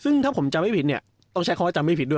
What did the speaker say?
ซึ่งถ้าผมจำไม่ผิดเนี่ยต้องใช้คำว่าจำไม่ผิดด้วย